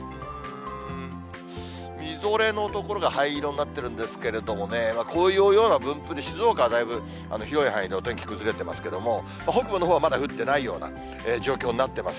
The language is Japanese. みぞれの所が灰色になってるんですけれどもね、こういうような分布で、静岡はだいぶ広い範囲でお天気崩れてますけれども、北部のほうはまだ降ってないような状況になってます。